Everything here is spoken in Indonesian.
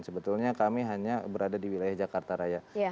sebetulnya kami hanya berada di wilayah jakarta raya